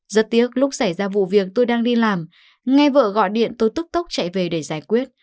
rất tiếc lúc xảy ra vụ việc tôi đang đi làm nghe vợ gọi điện tôi tức tốc chạy về để giải quyết